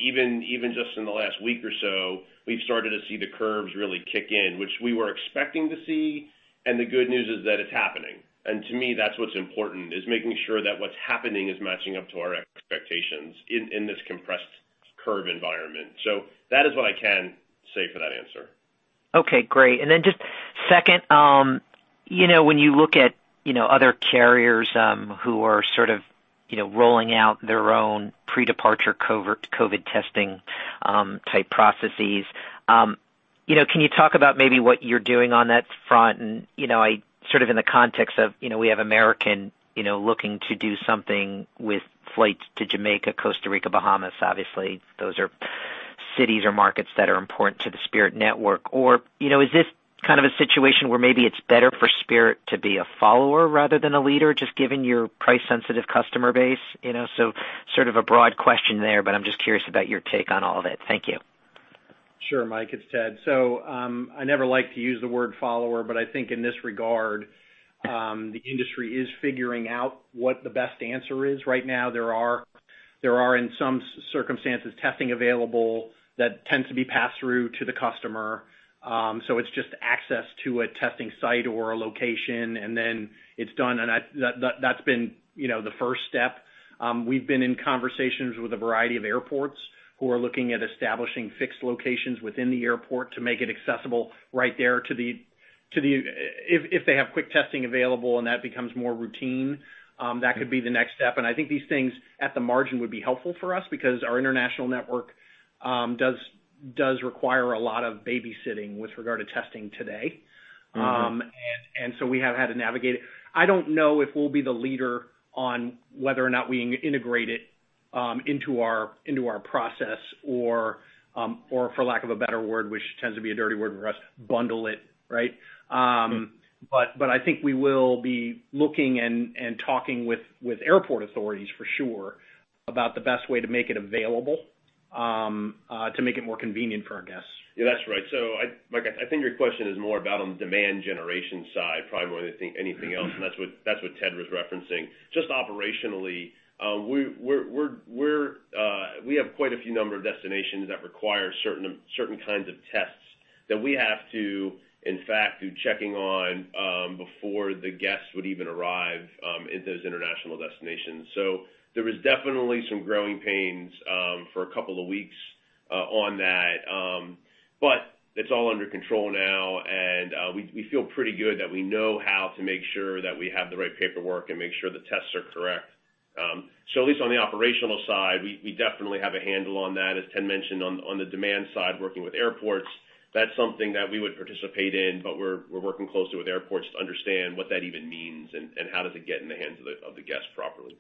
Even just in the last week or so, we've started to see the curves really kick in, which we were expecting to see. The good news is that it's happening. To me, that's what's important, is making sure that what's happening is matching up to our expectations in this compressed curve environment. That is what I can say for that answer. Okay. Great. Then just second, when you look at other carriers who are sort of rolling out their own pre-departure COVID testing type processes, can you talk about maybe what you're doing on that front? Sort of in the context of we have American looking to do something with flights to Jamaica, Costa Rica, Bahamas, obviously. Those are cities or markets that are important to the Spirit network. Is this kind of a situation where maybe it's better for Spirit to be a follower rather than a leader, just given your price-sensitive customer base? Sort of a broad question there, but I'm just curious about your take on all of it. Thank you. Sure, Mike. It's Ted. I never like to use the word follower, but I think in this regard, the industry is figuring out what the best answer is. Right now, there are, in some circumstances, testing available that tends to be passed through to the customer. It's just access to a testing site or a location, and then it's done. That's been the first step. We've been in conversations with a variety of airports who are looking at establishing fixed locations within the airport to make it accessible right there to the—if they have quick testing available and that becomes more routine, that could be the next step. I think these things at the margin would be helpful for us because our international network does require a lot of babysitting with regard to testing today. We have had to navigate it. I don't know if we'll be the leader on whether or not we integrate it into our process or, for lack of a better word, which tends to be a dirty word for us, bundle it, right? I think we will be looking and talking with airport authorities for sure about the best way to make it available to make it more convenient for our guests. Yeah, that's right. I think your question is more about on the demand generation side, probably more than anything else. That's what Ted was referencing. Just operationally, we have quite a few number of destinations that require certain kinds of tests that we have to, in fact, do checking on before the guests would even arrive into those international destinations. There was definitely some growing pains for a couple of weeks on that. It's all under control now, and we feel pretty good that we know how to make sure that we have the right paperwork and make sure the tests are correct. At least on the operational side, we definitely have a handle on that, as Ted mentioned, on the demand side working with airports. That's something that we would participate in, but we're working closely with airports to understand what that even means and how does it get in the hands of the guest properly.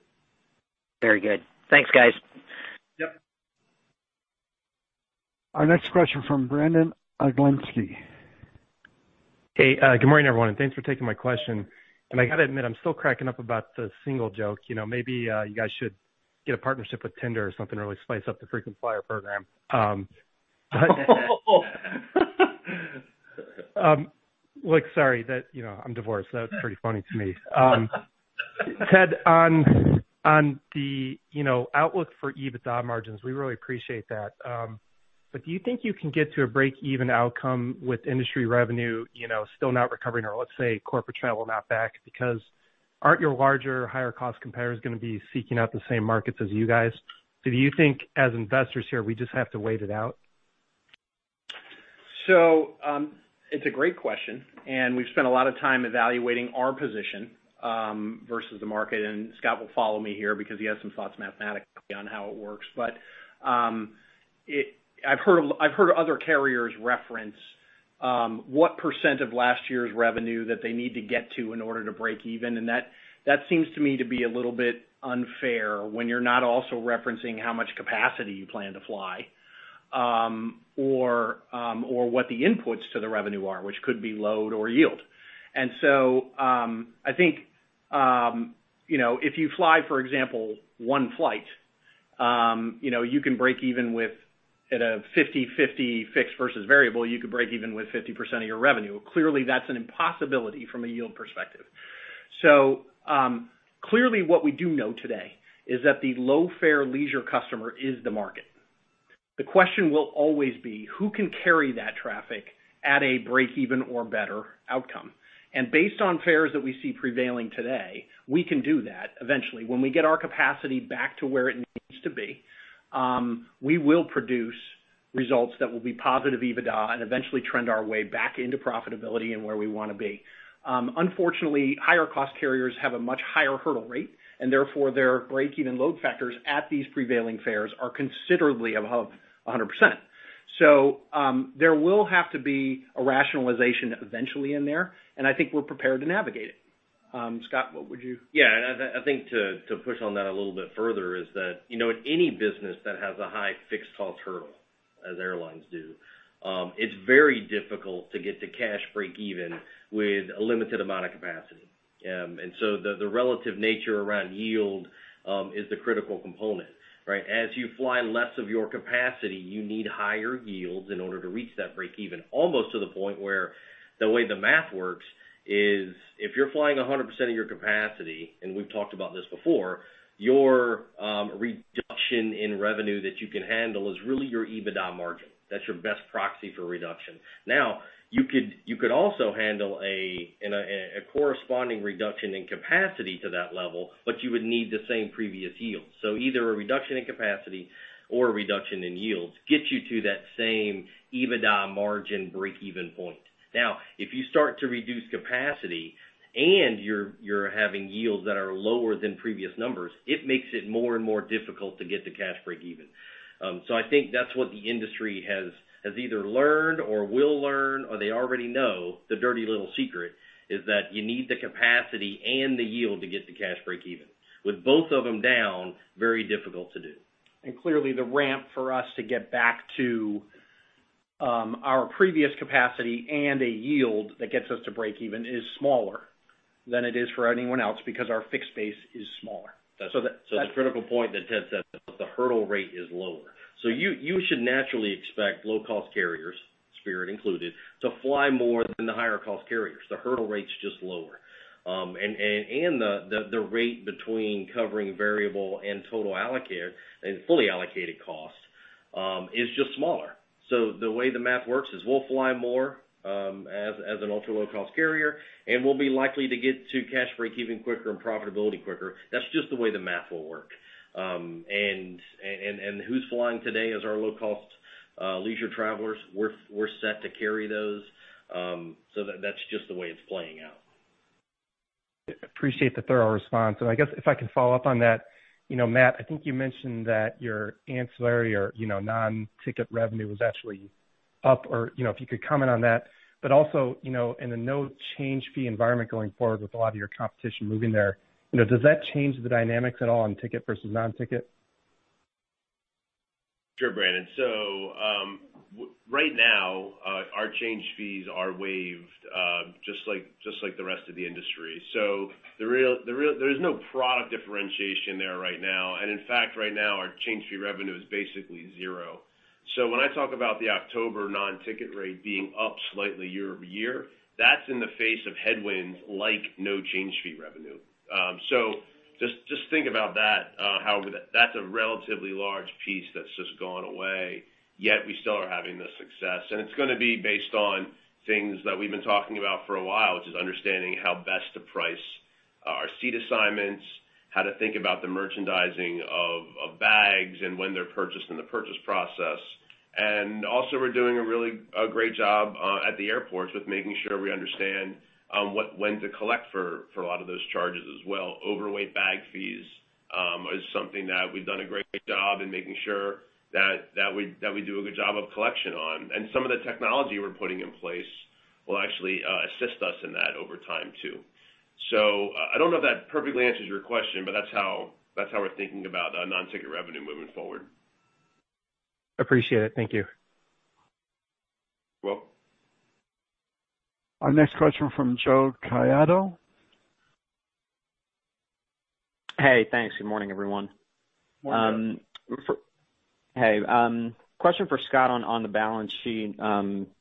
Very good. Thanks, guys. Yep. Our next question is from Brandon Oglensky. Hey, good morning, everyone. Thanks for taking my question. I got to admit, I'm still cracking up about the single joke. Maybe you guys should get a partnership with Tinder or something to really spice up the freaking flyer program. Look, sorry, I'm divorced. That was pretty funny to me. Ted, on the outlook for EBITDA margins, we really appreciate that. Do you think you can get to a break-even outcome with industry revenue still not recovering or, let's say, corporate travel not back? Because aren't your larger, higher-cost competitors going to be seeking out the same markets as you guys? Do you think, as investors here, we just have to wait it out? It's a great question. We've spent a lot of time evaluating our position versus the market. Scott will follow me here because he has some thoughts mathematically on how it works. I've heard other carriers reference what % of last year's revenue that they need to get to in order to break even. That seems to me to be a little bit unfair when you're not also referencing how much capacity you plan to fly or what the inputs to the revenue are, which could be load or yield. I think if you fly, for example, one flight, you can break even with, at a 50/50 fixed versus variable, you could break even with 50% of your revenue. Clearly, that's an impossibility from a yield perspective. Clearly, what we do know today is that the low-fare leisure customer is the market. The question will always be, who can carry that traffic at a break-even or better outcome? Based on fares that we see prevailing today, we can do that eventually. When we get our capacity back to where it needs to be, we will produce results that will be positive EBITDA and eventually trend our way back into profitability and where we want to be. Unfortunately, higher-cost carriers have a much higher hurdle rate, and therefore their break-even load factors at these prevailing fares are considerably above 100%. There will have to be a rationalization eventually in there, and I think we're prepared to navigate it. Scott, what would you? Yeah. I think to push on that a little bit further is that in any business that has a high fixed cost hurdle, as airlines do, it's very difficult to get to cash break-even with a limited amount of capacity. The relative nature around yield is the critical component, right? As you fly less of your capacity, you need higher yields in order to reach that break-even, almost to the point where the way the math works is if you're flying 100% of your capacity, and we've talked about this before, your reduction in revenue that you can handle is really your EBITDA margin. That's your best proxy for reduction. Now, you could also handle a corresponding reduction in capacity to that level, but you would need the same previous yield. Either a reduction in capacity or a reduction in yields gets you to that same EBITDA margin break-even point. Now, if you start to reduce capacity and you're having yields that are lower than previous numbers, it makes it more and more difficult to get to cash break-even. I think that's what the industry has either learned or will learn, or they already know the dirty little secret is that you need the capacity and the yield to get to cash break-even. With both of them down, very difficult to do. Clearly, the ramp for us to get back to our previous capacity and a yield that gets us to break-even is smaller than it is for anyone else because our fixed base is smaller. That critical point that Ted said, the hurdle rate is lower. You should naturally expect low-cost carriers, Spirit included, to fly more than the higher-cost carriers. The hurdle rate's just lower. The rate between covering variable and total allocated and fully allocated cost is just smaller. The way the math works is we'll fly more as an ultra-low-cost carrier, and we'll be likely to get to cash break-even quicker and profitability quicker. That's just the way the math will work. Who's flying today as our low-cost leisure travelers? We're set to carry those. That's just the way it's playing out. Appreciate the thorough response. I guess if I can follow up on that, Matt, I think you mentioned that your ancillary or non-ticket revenue was actually up, or if you could comment on that. Also, in the no change fee environment going forward with a lot of your competition moving there, does that change the dynamics at all on ticket versus non-ticket? Sure, Brandon. Right now, our change fees are waived just like the rest of the industry. There is no product differentiation there right now. In fact, right now, our change fee revenue is basically zero. When I talk about the October non-ticket rate being up slightly year over year, that's in the face of headwinds like no change fee revenue. Just think about that. However, that's a relatively large piece that's just gone away, yet we still are having this success. It's going to be based on things that we've been talking about for a while, which is understanding how best to price our seat assignments, how to think about the merchandising of bags and when they're purchased in the purchase process. We are doing a really great job at the airports with making sure we understand when to collect for a lot of those charges as well. Overweight bag fees is something that we've done a great job in making sure that we do a good job of collection on. Some of the technology we're putting in place will actually assist us in that over time too. I don't know if that perfectly answers your question, but that's how we're thinking about non-ticket revenue moving forward. Appreciate it. Thank you. Well. Our next question is from Joe Caiato. Hey, thanks. Good morning, everyone. Morning, guys. Hey. Question for Scott on the balance sheet.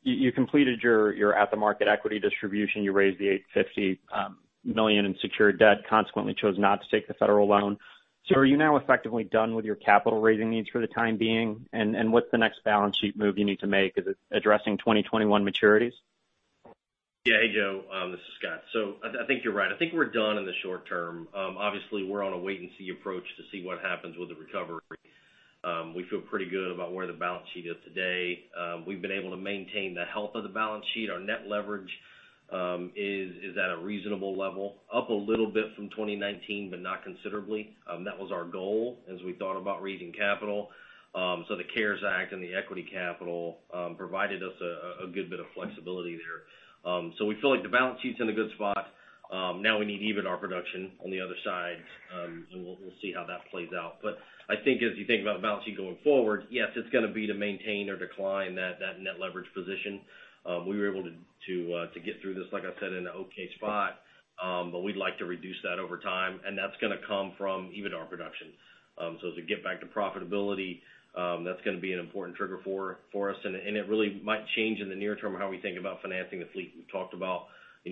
You completed your at-the-market equity distribution. You raised the $850 million in secured debt, consequently chose not to take the federal loan. Are you now effectively done with your capital-raising needs for the time being? What is the next balance sheet move you need to make? Is it addressing 2021 maturities? Yeah. Hey, Joe. This is Scott. I think you're right. I think we're done in the short term. Obviously, we're on a wait-and-see approach to see what happens with the recovery. We feel pretty good about where the balance sheet is today. We've been able to maintain the health of the balance sheet. Our net leverage is at a reasonable level, up a little bit from 2019, but not considerably. That was our goal as we thought about raising capital. The CARES Act and the equity capital provided us a good bit of flexibility there. We feel like the balance sheet's in a good spot. Now we need EBITDA production on the other side, and we'll see how that plays out. I think as you think about the balance sheet going forward, yes, it's going to be to maintain or decline that net leverage position. We were able to get through this, like I said, in an okay spot, but we'd like to reduce that over time. That is going to come from EBITDA production. As we get back to profitability, that is going to be an important trigger for us. It really might change in the near term how we think about financing the fleet. We've talked about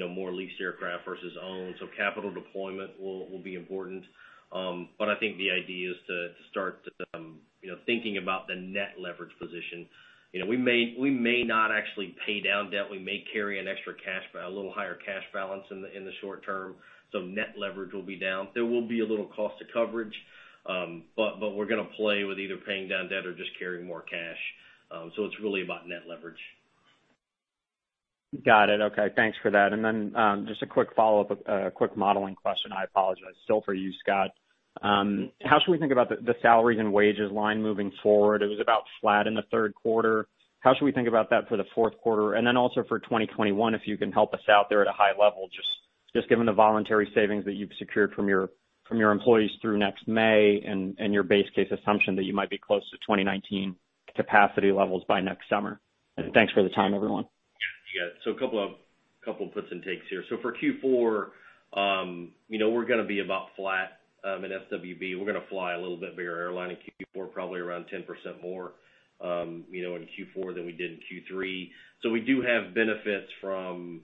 more leased aircraft versus owned. Capital deployment will be important. I think the idea is to start thinking about the net leverage position. We may not actually pay down debt. We may carry extra cash, a little higher cash balance in the short term. Net leverage will be down. There will be a little cost to coverage, but we're going to play with either paying down debt or just carrying more cash. It is really about net leverage. Got it. Okay. Thanks for that. Then just a quick follow-up, a quick modeling question. I apologize. Still for you, Scott. How should we think about the salaries and wages line moving forward? It was about flat in the third quarter. How should we think about that for the fourth quarter? Also for 2021, if you can help us out there at a high level, just given the voluntary savings that you've secured from your employees through next May and your base case assumption that you might be close to 2019 capacity levels by next summer. Thanks for the time, everyone. Yeah. A couple of puts and takes here. For Q4, we're going to be about flat at SWB. We're going to fly a little bit bigger airline in Q4, probably around 10% more in Q4 than we did in Q3. We do have benefits from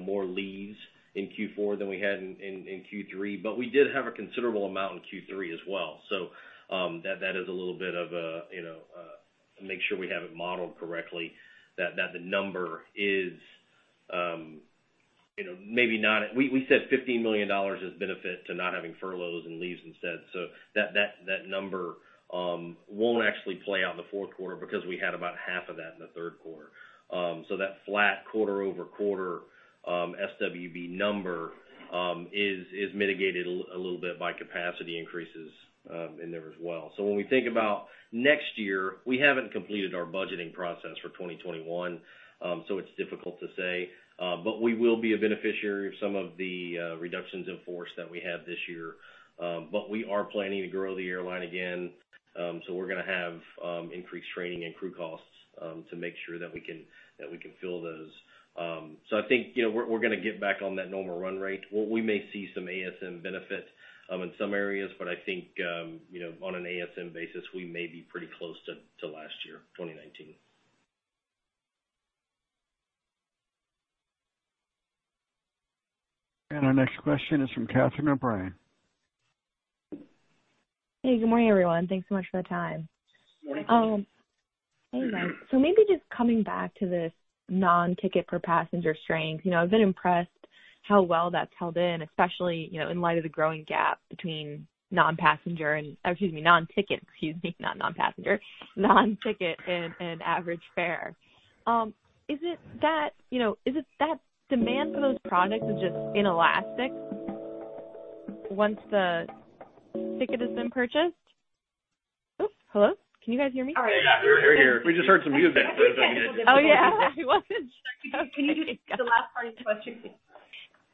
more leaves in Q4 than we had in Q3, but we did have a considerable amount in Q3 as well. That is a little bit of a make sure we have it modeled correctly, that the number is maybe not we said $15 million as benefit to not having furloughs and leaves instead. That number won't actually play out in the fourth quarter because we had about half of that in the third quarter. That flat quarter-over-quarter SWB number is mitigated a little bit by capacity increases in there as well. When we think about next year, we haven't completed our budgeting process for 2021, so it's difficult to say. We will be a beneficiary of some of the reductions in force that we have this year. We are planning to grow the airline again. We're going to have increased training and crew costs to make sure that we can fill those. I think we're going to get back on that normal run rate. We may see some ASM benefit in some areas, but I think on an ASM basis, we may be pretty close to last year, 2019. Our next question is from Catherine O’Brien. Hey, good morning, everyone. Thanks so much for the time. Hey, guys. Maybe just coming back to this non-ticket per passenger strength, I've been impressed how well that's held in, especially in light of the growing gap between non-ticket and average fare. Is it that demand for those products is just inelastic once the ticket has been purchased? Oops, hello? Can you guys hear me? Oh, yeah. We're here. We just heard some music. Oh, yeah. I wasn't. Can you do the last part of your question?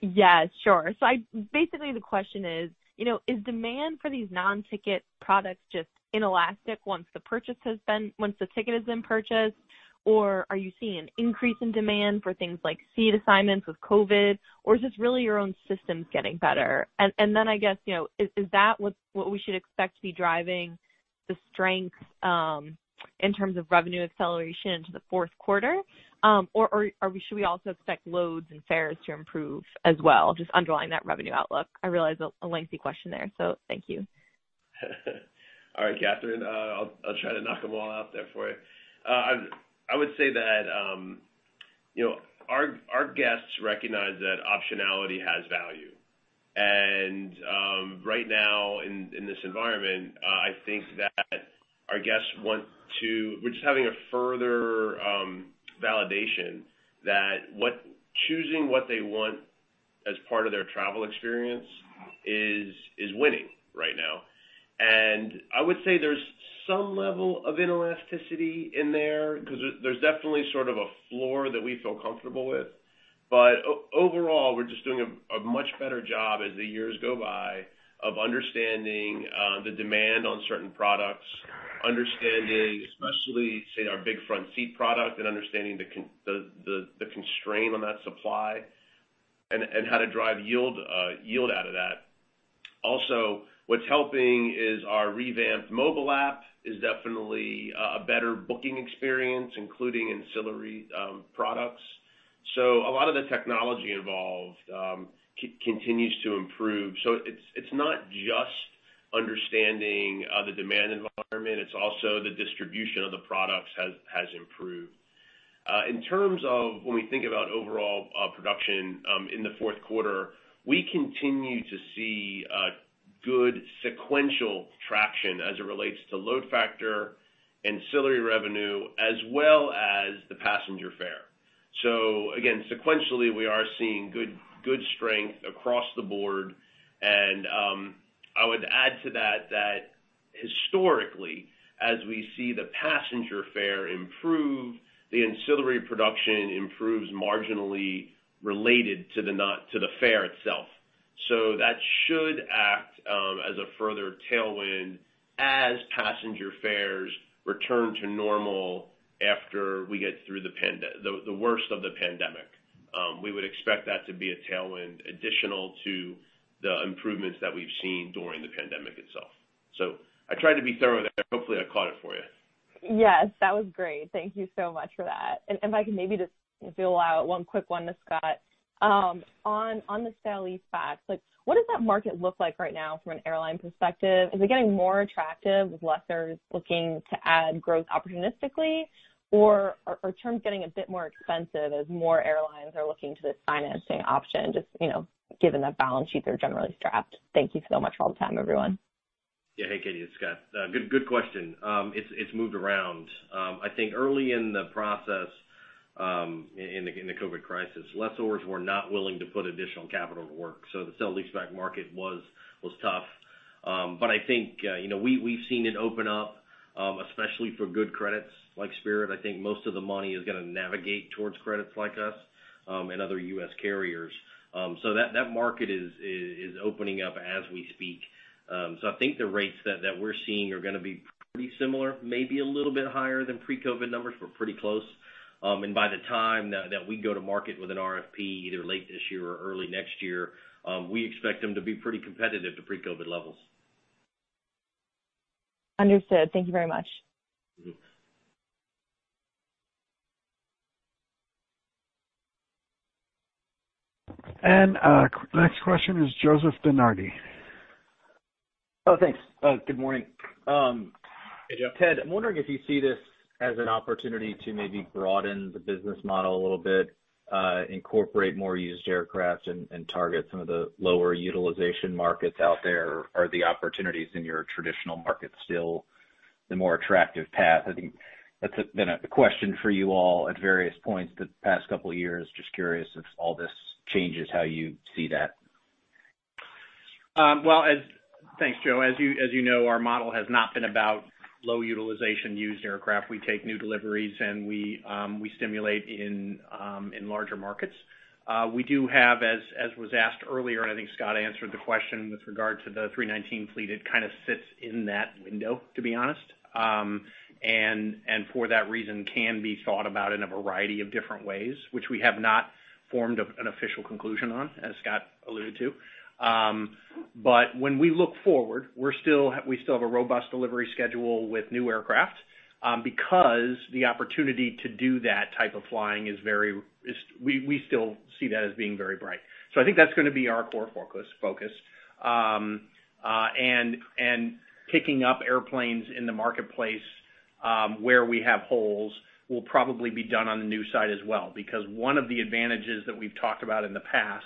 Yes, sure. Basically, the question is, is demand for these non-ticket products just inelastic once the purchase has been, once the ticket has been purchased, or are you seeing an increase in demand for things like seat assignments with COVID, or is this really your own systems getting better? I guess, is that what we should expect to be driving the strength in terms of revenue acceleration into the fourth quarter, or should we also expect loads and fares to improve as well, just underlying that revenue outlook? I realize a lengthy question there, so thank you. All right, Catherine. I'll try to knock them all out there for you. I would say that our guests recognize that optionality has value. Right now, in this environment, I think that our guests want to—we're just having a further validation that choosing what they want as part of their travel experience is winning right now. I would say there's some level of inelasticity in there because there's definitely sort of a floor that we feel comfortable with. Overall, we're just doing a much better job as the years go by of understanding the demand on certain products, understanding especially, say, our Big Front Seat product and understanding the constraint on that supply and how to drive yield out of that. Also, what's helping is our revamped mobile app is definitely a better booking experience, including ancillary products. A lot of the technology involved continues to improve. It's not just understanding the demand environment. It's also the distribution of the products has improved. In terms of when we think about overall production in the fourth quarter, we continue to see good sequential traction as it relates to load factor, ancillary revenue, as well as the passenger fare. Again, sequentially, we are seeing good strength across the board. I would add to that that historically, as we see the passenger fare improve, the ancillary production improves marginally related to the fare itself. That should act as a further tailwind as passenger fares return to normal after we get through the worst of the pandemic. We would expect that to be a tailwind additional to the improvements that we've seen during the pandemic itself. I tried to be thorough there. Hopefully, I caught it for you. Yes, that was great. Thank you so much for that. If I can maybe just fill out one quick one to Scott. On the sale lease-back facts, what does that market look like right now from an airline perspective? Is it getting more attractive with lessors looking to add growth opportunistically, or are terms getting a bit more expensive as more airlines are looking to this financing option, just given that balance sheets are generally strapped? Thank you so much for all the time, everyone. Yeah. Hey, Katie it's Scott. Good question. It's moved around. I think early in the process, in the COVID crisis, lessors were not willing to put additional capital to work. The Saudi spot market was tough. I think we've seen it open up, especially for good credits like Spirit. I think most of the money is going to navigate towards credits like us and other U.S. carriers. That market is opening up as we speak. I think the rates that we're seeing are going to be pretty similar, maybe a little bit higher than pre-COVID numbers, but pretty close. By the time that we go to market with an RFP, either late this year or early next year, we expect them to be pretty competitive to pre-COVID levels. Understood. Thank you very much. Our next question is Joseph Bernardi. Oh, thanks. Good morning. Hey, Joe. Ted, I'm wondering if you see this as an opportunity to maybe broaden the business model a little bit, incorporate more used aircraft, and target some of the lower utilization markets out there. Are the opportunities in your traditional market still the more attractive path? I think that's been a question for you all at various points the past couple of years. Just curious if all this changes how you see that. Thanks, Joe. As you know, our model has not been about low utilization used aircraft. We take new deliveries, and we stimulate in larger markets. We do have, as was asked earlier, and I think Scott answered the question with regard to the 319 fleet, it kind of sits in that window, to be honest. For that reason, can be thought about in a variety of different ways, which we have not formed an official conclusion on, as Scott alluded to. When we look forward, we still have a robust delivery schedule with new aircraft because the opportunity to do that type of flying is very—we still see that as being very bright. I think that's going to be our core focus. Picking up airplanes in the marketplace where we have holes will probably be done on the new side as well because one of the advantages that we've talked about in the past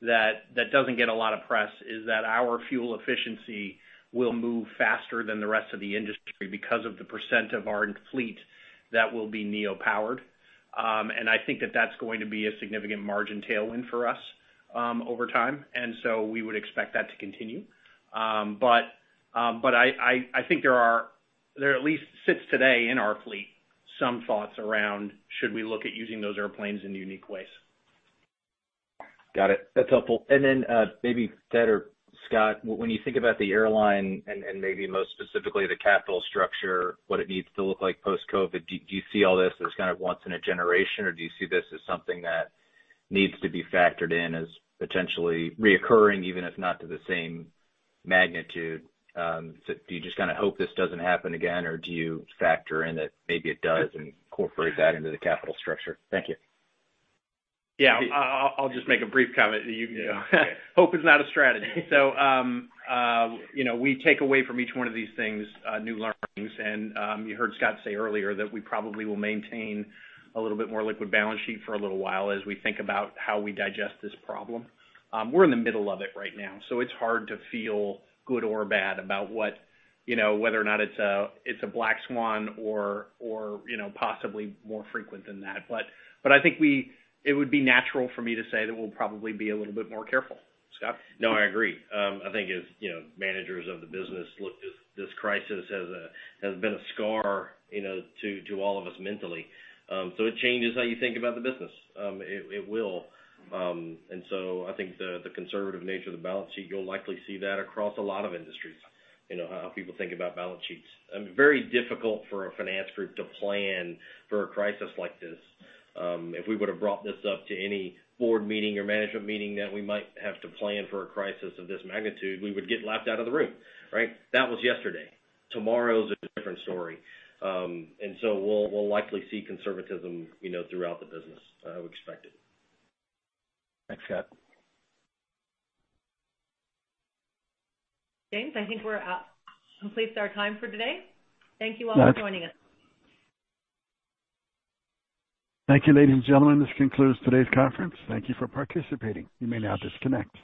that does not get a lot of press is that our fuel efficiency will move faster than the rest of the industry because of the % of our fleet that will be neopowered. I think that is going to be a significant margin tailwind for us over time. We would expect that to continue. I think there are at least, as it sits today in our fleet, some thoughts around should we look at using those airplanes in unique ways. Got it. That's helpful. Then maybe, Ted or Scott, when you think about the airline and maybe most specifically the capital structure, what it needs to look like post-COVID, do you see all this as kind of once in a generation, or do you see this as something that needs to be factored in as potentially reoccurring, even if not to the same magnitude? Do you just kind of hope this doesn't happen again, or do you factor in that maybe it does and incorporate that into the capital structure? Thank you. Yeah. I'll just make a brief comment. Hope is not a strategy. We take away from each one of these things new learnings. You heard Scott say earlier that we probably will maintain a little bit more liquid balance sheet for a little while as we think about how we digest this problem. We're in the middle of it right now. It's hard to feel good or bad about whether or not it's a black swan or possibly more frequent than that. I think it would be natural for me to say that we'll probably be a little bit more careful. Scott. No, I agree. I think as managers of the business, this crisis has been a scar to all of us mentally. It changes how you think about the business. It will. I think the conservative nature of the balance sheet, you'll likely see that across a lot of industries, how people think about balance sheets. Very difficult for a finance group to plan for a crisis like this. If we would have brought this up to any board meeting or management meeting that we might have to plan for a crisis of this magnitude, we would get laughed out of the room, right? That was yesterday. Tomorrow is a different story. We'll likely see conservatism throughout the business, I would expect. Thanks, Scott. I think we're at complete our time for today. Thank you all for joining us. Thank you, ladies and gentlemen. This concludes today's conference. Thank you for participating. You may now disconnect.